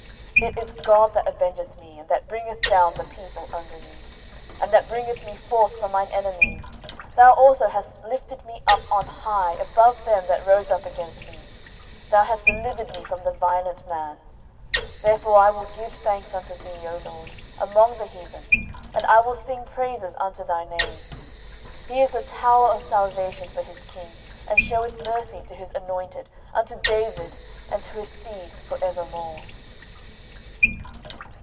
10:022:048 It is God that avengeth me, and that bringeth down the people under me. 10:022:049 And that bringeth me forth from mine enemies: thou also hast lifted me up on high above them that rose up against me: thou hast delivered me from the violent man. 10:022:050 Therefore I will give thanks unto thee, O LORD, among the heathen, and I will sing praises unto thy name. 10:022:051 He is the tower of salvation for his king: and sheweth mercy to his anointed, unto David, and to his seed for evermore.